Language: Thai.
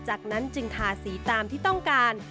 จากนั้นจึงทาสีตามที่ต้องการ